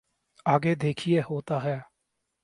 آگے دیکھئے ہوتا ہے۔